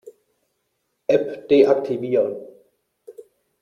App deaktivieren.